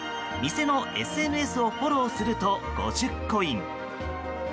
店のＳＮＳをフォローすると５０コイン。